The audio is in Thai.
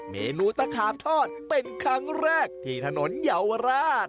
เมนูตะขาบทอดเป็นครั้งแรกที่ถนนเยาวราช